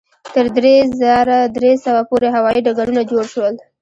تر درې زره درې سوه پورې هوایي ډګرونه جوړ شول.